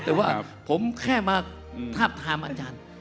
แต่ว่าผมแค่มาทาบทามอาจารย์